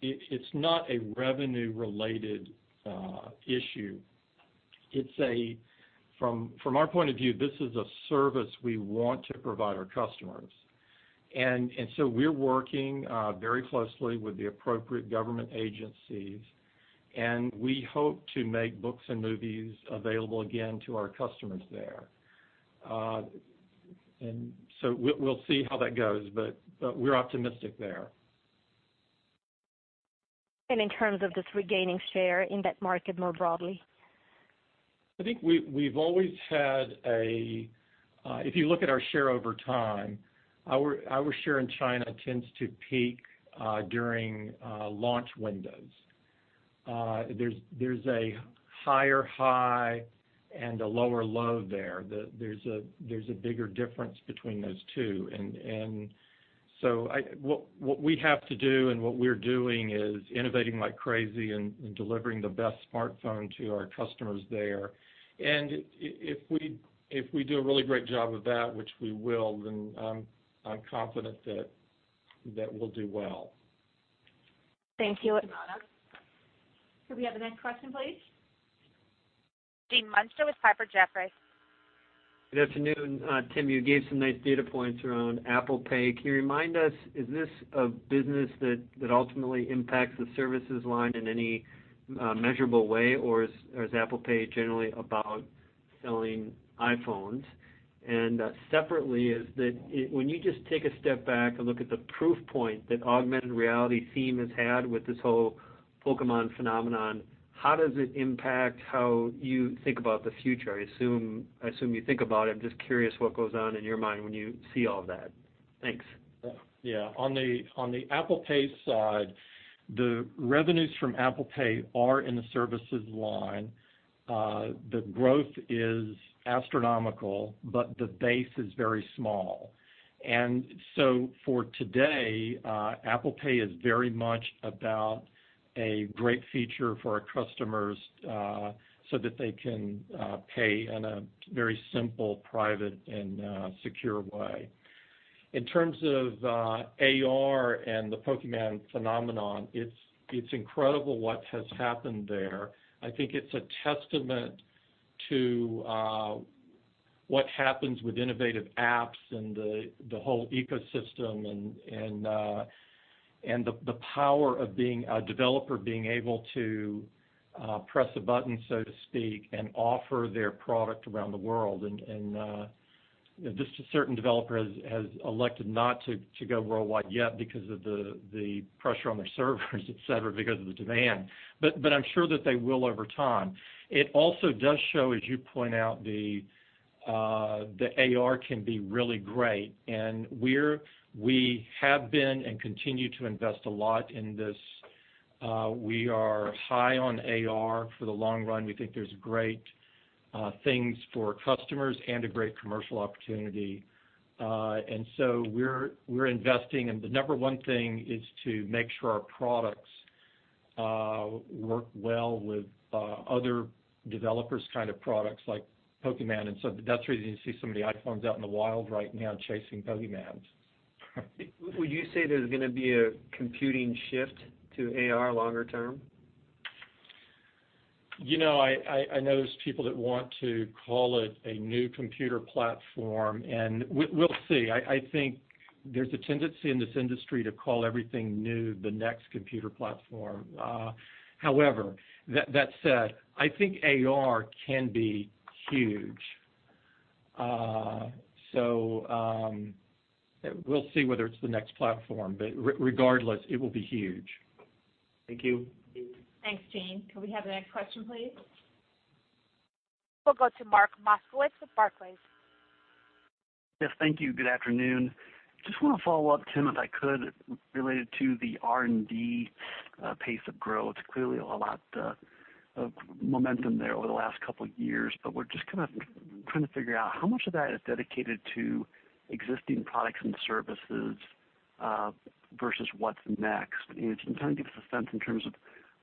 It's not a revenue related issue. From our point of view, this is a service we want to provide our customers. We're working very closely with the appropriate government agencies, and we hope to make books and movies available again to our customers there. We'll see how that goes, but we're optimistic there. In terms of just regaining share in that market more broadly? I think we've always had if you look at our share over time, our share in China tends to peak during launch windows. There's a higher high and a lower low there. There's a bigger difference between those two. What we have to do and what we're doing is innovating like crazy and delivering the best smartphone to our customers there. If we do a really great job of that, which we will, then I'm confident that we'll do well. Thank you. Could we have the next question, please? Gene Munster with Piper Jaffray. Good afternoon. Tim, you gave some nice data points around Apple Pay. Can you remind us, is this a business that ultimately impacts the services line in any measurable way, or is Apple Pay generally about selling iPhones? Separately, when you just take a step back and look at the proof point that augmented reality theme has had with this whole Pokémon phenomenon, how does it impact how you think about the future? I assume you think about it. I'm just curious what goes on in your mind when you see all that. Thanks. Yeah. On the Apple Pay side, the revenues from Apple Pay are in the services line. The growth is astronomical, but the base is very small. For today, Apple Pay is very much about a great feature for our customers, so that they can pay in a very simple, private, and secure way. In terms of AR and the Pokémon phenomenon, it's incredible what has happened there. I think it's a testament to what happens with innovative apps and the whole ecosystem and the power of a developer being able to press a button, so to speak, and offer their product around the world. Just a certain developer has elected not to go worldwide yet because of the pressure on their servers, et cetera, because of the demand. I'm sure that they will over time. It also does show, as you point out, that AR can be really great, and we have been and continue to invest a lot in this. We are high on AR for the long run. We think there's great things for customers and a great commercial opportunity. We're investing, and the number one thing is to make sure our products work well with other developers' kind of products, like Pokémon, and so that's the reason you see some of the iPhones out in the wild right now chasing Pokémon. Would you say there's going to be a computing shift to AR longer term? I notice people that want to call it a new computer platform, We'll see. I think there's a tendency in this industry to call everything new the next computer platform. That said, I think AR can be huge. We'll see whether it's the next platform, but regardless, it will be huge. Thank you. Thanks, Gene. Could we have the next question, please? We'll go to Mark Moskowitz with Barclays. Yes, thank you. Good afternoon. Just want to follow up, Tim, if I could, related to the R&D pace of growth. Clearly, a lot of momentum there over the last couple of years, but we're just kind of trying to figure out how much of that is dedicated to existing products and services versus what's next. Can you kind of give us a sense in terms of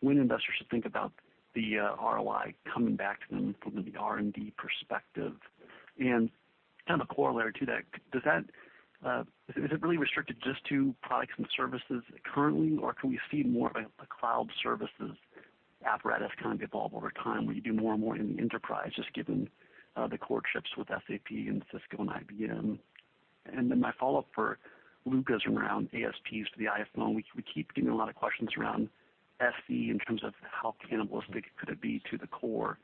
when investors should think about the ROI coming back to them from the R&D perspective? Kind of a corollary to that, is it really restricted just to products and services currently, or can we see more of a cloud services apparatus kind of evolve over time where you do more and more in the enterprise, just given the courtships with SAP and Cisco and IBM? My follow-up for Luca is around ASPs for the iPhone. We keep getting a lot of questions around SE in terms of how cannibalistic could it be to the core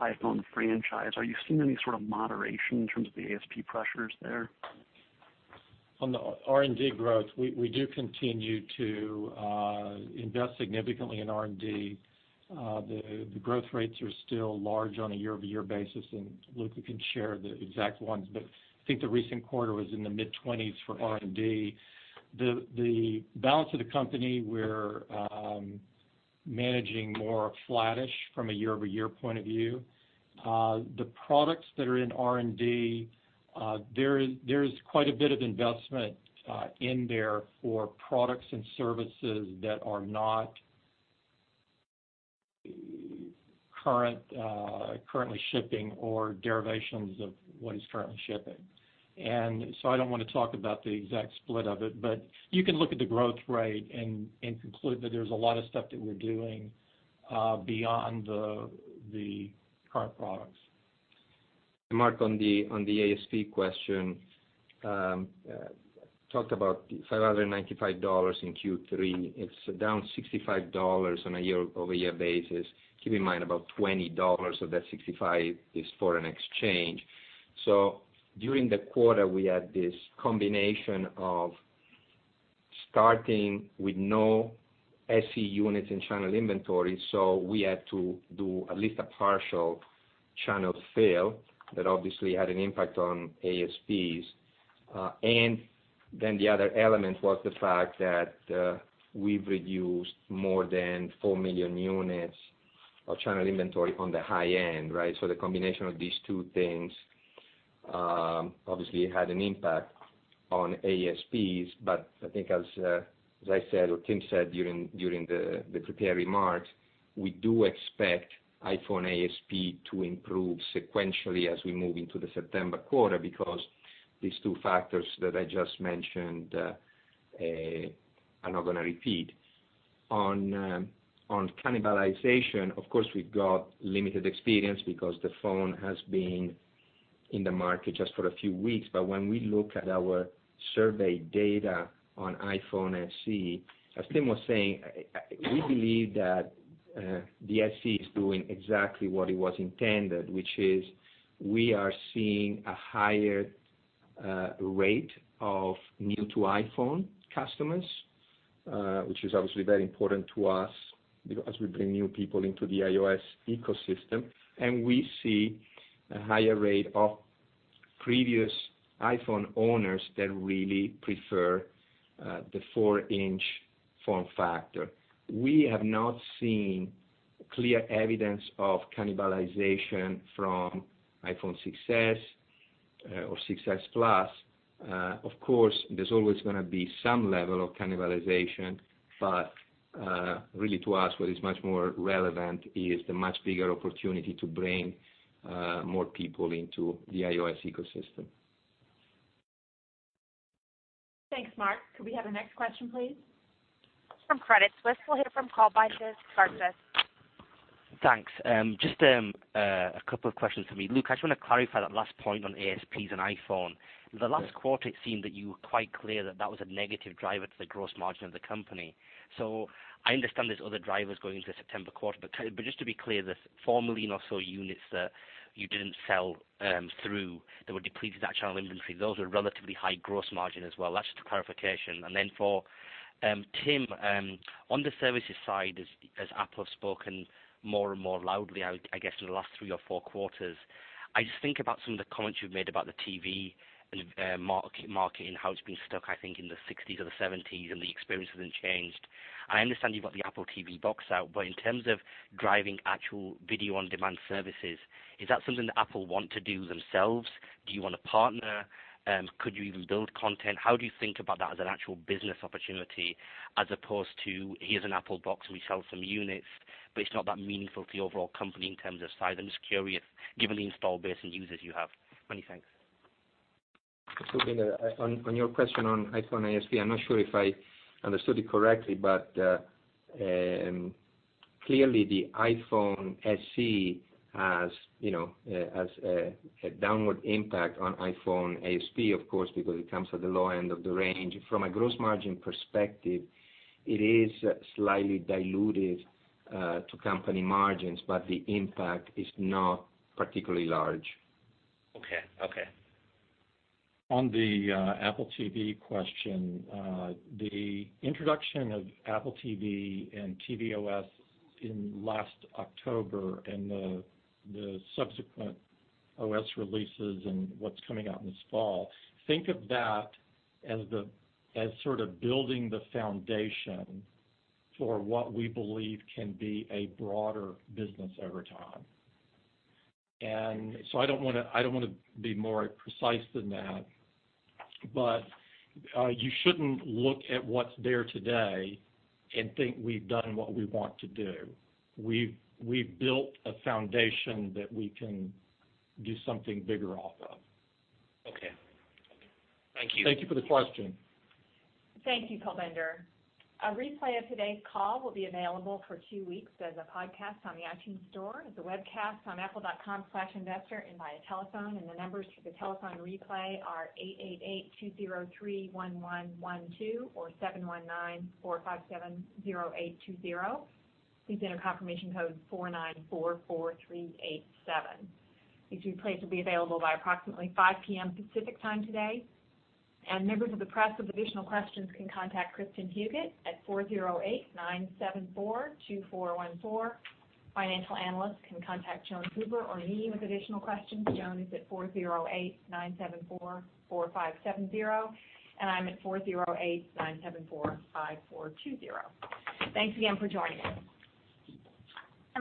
iPhone franchise. Are you seeing any sort of moderation in terms of the ASP pressures there? On the R&D growth, we do continue to invest significantly in R&D. The growth rates are still large on a year-over-year basis, and Luca can share the exact ones, but I think the recent quarter was in the mid-20s for R&D. The balance of the company, we're managing more flattish from a year-over-year point of view. The products that are in R&D, there is quite a bit of investment in there for products and services that are not currently shipping or derivations of what is currently shipping. I don't want to talk about the exact split of it, but you can look at the growth rate and conclude that there's a lot of stuff that we're doing beyond the current products. Mark, on the ASP question, talked about $595 in Q3. It's down $65 on a year-over-year basis. Keep in mind, about $20 of that 65 is foreign exchange. During the quarter, we had this combination of starting with no SE units in channel inventory, so we had to do at least a partial channel fill that obviously had an impact on ASPs. The other element was the fact that we've reduced more than 4 million units of channel inventory on the high end, right? The combination of these two things obviously had an impact on ASPs. I think as I said or Tim said during the prepared remarks, we do expect iPhone ASP to improve sequentially as we move into the September quarter because these two factors that I just mentioned, I'm not going to repeat. On cannibalization, of course, we've got limited experience because the phone has been in the market just for a few weeks. When we look at our survey data on iPhone SE, as Tim was saying, we believe that the SE is doing exactly what it was intended, which is we are seeing a higher rate of new-to-iPhone customers, which is obviously very important to us as we bring new people into the iOS ecosystem. We see a higher rate of previous iPhone owners that really prefer the four-inch form factor. We have not seen clear evidence of cannibalization from iPhone 6s or iPhone 6s Plus. Of course, there's always going to be some level of cannibalization, but really to us, what is much more relevant is the much bigger opportunity to bring more people into the iOS ecosystem. Thanks, Mark. Could we have the next question, please? From Credit Suisse, we'll hear from Kulbinder Garcha. Thanks. Just a couple of questions from me. Luca, I just want to clarify that last point on ASPs and iPhone. The last quarter, it seemed that you were quite clear that that was a negative driver to the gross margin of the company. I understand there's other drivers going into the September quarter, but just to be clear, the 4 million or so units that you didn't sell through that were depleted to that channel inventory, those were relatively high gross margin as well. That's just a clarification. Then for Tim, on the services side, as Apple have spoken more and more loudly, I guess, in the last three or four quarters, I just think about some of the comments you've made about the TV market and how it's been stuck, I think, in the '60s or the '70s and the experience hasn't changed. I understand you've got the Apple TV out, but in terms of driving actual video on-demand services, is that something that Apple want to do themselves? Do you want to partner? Could you even build content? How do you think about that as an actual business opportunity as opposed to here's an Apple box and we sell some units, but it's not that meaningful to the overall company in terms of size? I'm just curious given the install base and users you have. Many thanks. Kulbinder, on your question on iPhone ASP, I'm not sure if I understood it correctly. Clearly the iPhone SE has a downward impact on iPhone ASP, of course, because it comes at the low end of the range. From a gross margin perspective, it is slightly dilutive to company margins, the impact is not particularly large. Okay. On the Apple TV question, the introduction of Apple TV and tvOS in last October and the subsequent OS releases and what's coming out this fall, think of that as sort of building the foundation for what we believe can be a broader business over time. I don't want to be more precise than that, you shouldn't look at what's there today and think we've done what we want to do. We've built a foundation that we can do something bigger off of. Okay. Thank you. Thank you for the question. Thank you, Kulbinder. A replay of today's call will be available for two weeks as a podcast on the iTunes Store, as a webcast on apple.com/investor, and via telephone. The numbers for the telephone replay are 888-203-1112 or 719-457-0820. Please enter confirmation code 4944387. These replays will be available by approximately 5:00 P.M. Pacific Time today. Members of the press with additional questions can contact Kristin Huguet at 408-974-2414. Financial analysts can contact Joan Hoover or me with additional questions. Joan is at 408-974-4570, and I'm at 408-974-5420. Thanks again for joining us.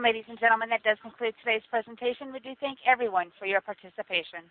Ladies and gentlemen, that does conclude today's presentation. We do thank everyone for your participation.